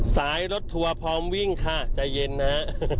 สายรถทัวร์พร้อมวิ่งค่ะใจเย็นนะฮะ